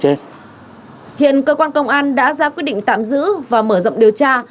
hiện cơ quan công an đã ra quyết định tạm giữ và mở rộng điều tra